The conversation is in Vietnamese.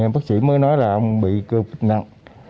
bác sĩ mới nói là ông bị covid nặng